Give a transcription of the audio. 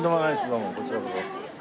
どうもこちらこそ。